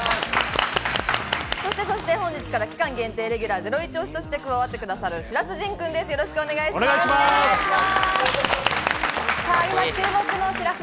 そして本日から期間限定レギュラー、ゼロイチ推しとして加わってくださる、白洲迅君です。